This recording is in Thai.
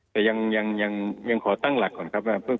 แต่ยังขอตั้งหลักก่อนครับว่า